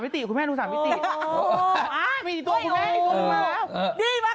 มีอีกตัวมันมาเยี่ยมมาก